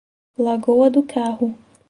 Lagoa do Carro